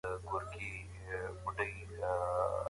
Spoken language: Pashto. د افغانستان د پرمختګ لپاره د ښځو زدهکړه د سوکالۍ اصلي بنسټ دی.